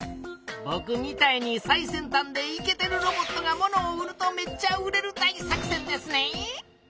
ぼくみたいに最先たんでいけてるロボットがものを売るとめっちゃ売れる大作戦ですね！